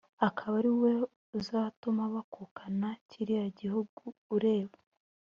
akaba ari we uzatuma bakukana kiriya gihugu ureba.»